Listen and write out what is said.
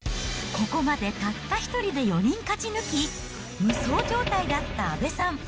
ここまで、たった１人で４人勝ち抜き、無双状態だった阿部さん。